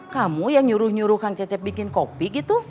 kamu yang nyuruh nyuruh kang cecep bikin kopi gitu